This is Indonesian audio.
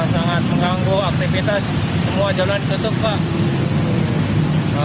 sangat mengganggu aktivitas semua jalan ditutup pak